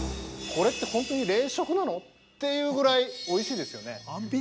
これって、本当に冷食なのというぐらい、おいしいですよね。